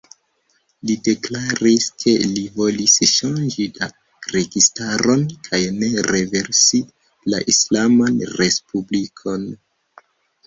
Li deklaris, ke li volis ŝanĝi la registaron, kaj ne renversi la islaman respublikon.